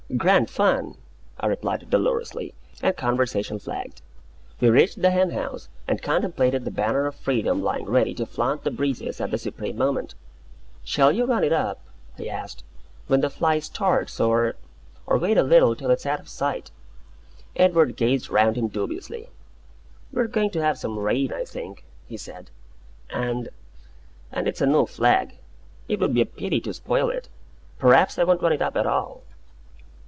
"Grand fun!" I replied, dolorously; and conversation flagged. We reached the hen house, and contemplated the banner of freedom lying ready to flaunt the breezes at the supreme moment. "Shall you run it up," I asked, "when the fly starts, or or wait a little till it's out of sight?" Edward gazed around him dubiously. "We're going to have some rain, I think," he said; "and and it's a new flag. It would be a pity to spoil it. P'raps I won't run it up at all."